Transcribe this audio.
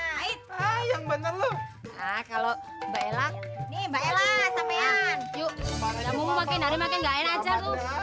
hai yang bener lu kalau belakang nih mbak ella sampean yuk kamu makin makin enak